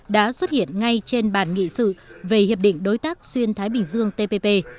đã xuất hiện ngay trên bàn nghị sự về hiệp định đối tác xuyên thái bình dương tpp